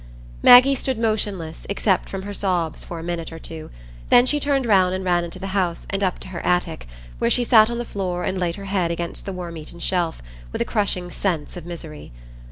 Maggie stood motionless, except from her sobs, for a minute or two; then she turned round and ran into the house, and up to her attic, where she sat on the floor and laid her head against the worm eaten shelf, with a crushing sense of misery.